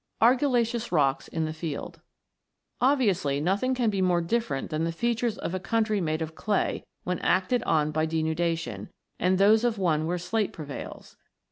ARGILLACEOUS ROCKS IN THE FIELD Obviously, nothing can be more different than the features of a country made of clay, when acted on by denudation, and those of one where slate prevails.